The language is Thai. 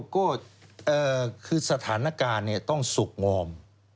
ก็คือสถานการณ์ต้องสุขงอม